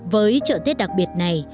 với trợ tết đặc biệt này